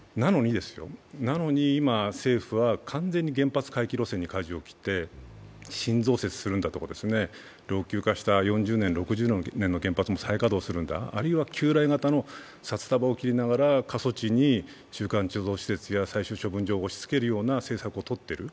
なのに、今、政府は完全に原発回帰路線にかじを切って、新増設するんだとか、老朽化した４０年、６０年の原発も再稼働するんだ、あるいは旧来型の札束を切りながら過疎地に中間貯蔵施設や最終処分場を押しつけるような政策をとっている。